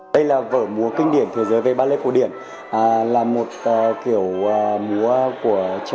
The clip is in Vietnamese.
với lần đưa vở diễn giselle quay trở lại này